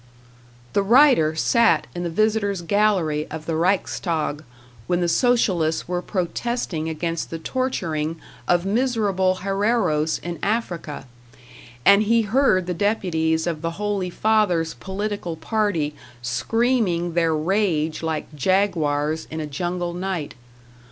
The writer sat in the visitors' gallery of the Reichstag when the Socialists were protesting against the torturing of miserable Herreros in Africa, and he heard the deputies of the Holy Father's political party screaming their rage like jaguars in a jungle night.